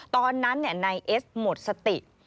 ตอนนั้นนายเอสหมดสติ